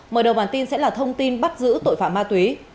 mở đầu bản tin sẽ là thông tin bắt giữ tội phạm ma túy